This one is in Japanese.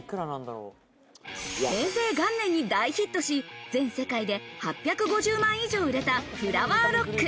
平成元年に大ヒットし、全世界で８５０万以上売れたフラワーロック。